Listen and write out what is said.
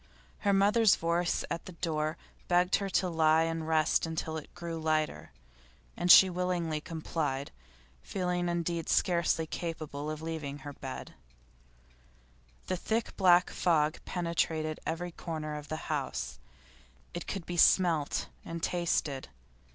Her mother's voice at the door begged her to lie and rest until it grew lighter, and she willingly complied, feeling indeed scarcely capable of leaving her bed. The thick black fog penetrated every corner of the house. It could be smelt and tasted.